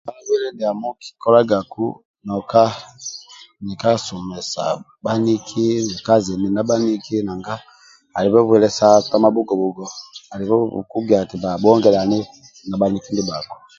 Ka bwile ndiamo nkikolagaku noka nika somesa bhaniki, nika zeni na bhaniki nanga alibe bwile sa tamabhugo-bhugo alibe bu bhukugia ti bba bhuonge dhani na bhaniki ndibhako.